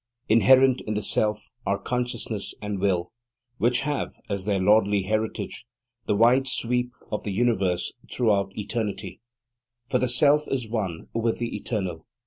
Inherent in the Self are consciousness and will, which have, as their lordly heritage, the wide sweep of the universe throughout eternity, for the Self is one with the Eternal.